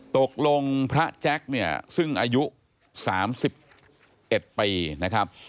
ตกลงพระแจ็คเนี่ยซึ่งอายุ๓๑ปีนะครับ